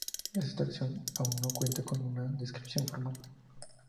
Este taxón aún no cuenta con una descripción formal.